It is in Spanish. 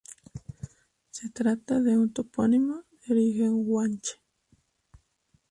Se trata de un topónimo de origen guanche.